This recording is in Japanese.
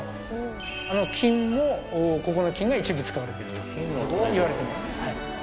あの金もここの金が一部使われているといわれてます。